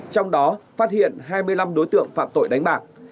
trong đó phát hiện hai mươi năm đối tượng phạm tội đánh bạc